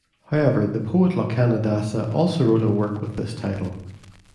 However the poet Lochana Dasa also wrote a work with this title.